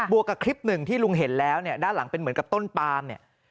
วกกับคลิปหนึ่งที่ลุงเห็นแล้วเนี่ยด้านหลังเป็นเหมือนกับต้นปามเนี่ย